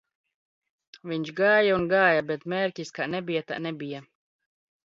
Viņš gāja un gāja, bet mērķis kā nebija tā nebija